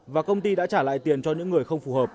và công ty đã trả lại tiền cho những người không phù hợp